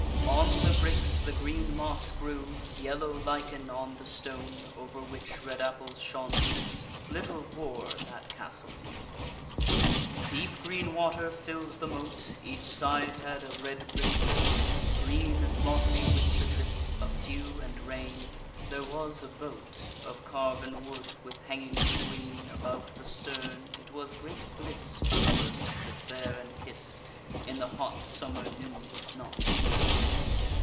On the bricks the green moss grew. Yellow lichen on the stone, Over which red apples shone; Little war that castle knew. Deep green water fill'd the moat, Each side had a red brick lip, Green and mossy with the drip Of dew and rain; there was a boat Of carven wood, with hangings green About the stern; it was great bliss For lovers to sit there and kiss In the hot summer noons, not seen.